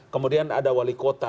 kemudian ada wali kota